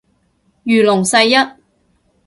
如龍世一